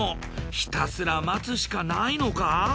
ひたすら待つしかないのか？